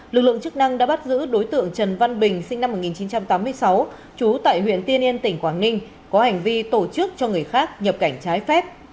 lực lượng chức năng đã bắt giữ đối tượng trần văn bình sinh năm một nghìn chín trăm tám mươi sáu trú tại huyện tiên yên tỉnh quảng ninh có hành vi tổ chức cho người khác nhập cảnh trái phép